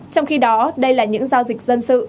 trong khi đó đây là những giao dịch dân sự